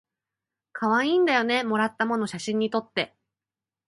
かわいいんだよねもらったもの写真にとって